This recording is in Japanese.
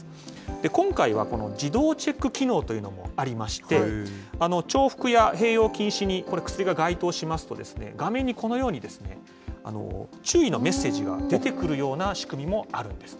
今回は自動チェック機能というのもありまして、重複や併用禁止に、これ、薬が該当しますと、画面にこのようにですね、注意のメッセージが出てくるような仕組みもあるんですね。